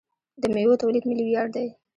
د میوو تولید ملي ویاړ دی.